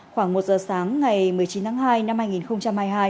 khoảng một giờ sáng ngày một mươi chín tháng hai năm hai nghìn hai mươi hai